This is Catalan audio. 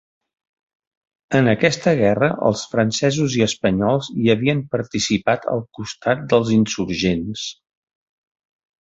En aquesta guerra els francesos i espanyols hi havien participat al costat dels insurgents.